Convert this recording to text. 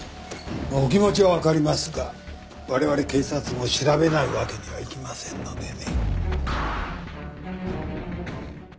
お気持ちは分かりますがわれわれ警察も調べないわけにはいきませんのでね。